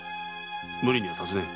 無理には尋ねん。